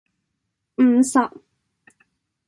五十